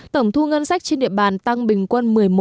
tổng thu ngân sách trên địa bàn tăng bình quân một mươi một một